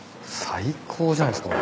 最高じゃないっすか。